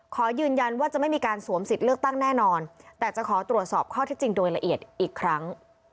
ขอยืนยันว่าจะไม่มีการสวมสิทธิ์เลือกตั้งแน่นอนแต่จะขอตรวจสอบข้อที่จริงโดยละเอียดอีกครั้ง